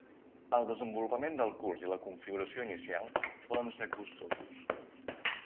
El desenvolupament del curs i la configuració inicial poden ser costosos.